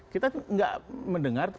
kita enggak mendengar